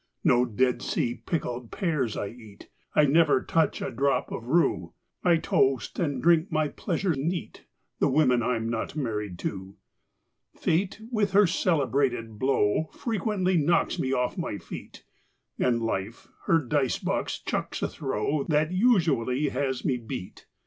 No Dead Sea pickled pears I eat; I never touch a drop of rue; I toast, and drink my pleasure neat, The women I'm not married to! Fate with her celebrated blow Frequently knocks me off my feet; And Life her dice box chucks a throw That usually has me beat.